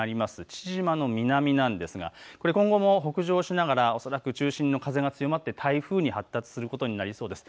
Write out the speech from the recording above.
父島の南なんですがこれが北上しながら中心の風が強まって台風に発達することになります。